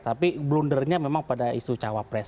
tapi blundernya memang pada isu cawapres